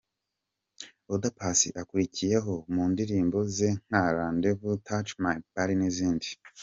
Oda Paccy akurikiyeho mu ndirimbo ze nka ’Rendez Vous’, ’Touch my body’ n’izindi.